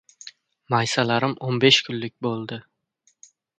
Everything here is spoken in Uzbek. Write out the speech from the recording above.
Maysalarim o‘n besh kunlik bo‘ldi.